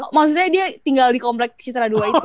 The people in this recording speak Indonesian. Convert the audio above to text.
oh maksudnya dia tinggal di komplek citra dua itu